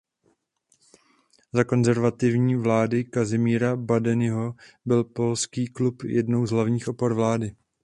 Za konzervativní vlády Kazimíra Badeniho byl Polský klub jednou z hlavních opor vlády.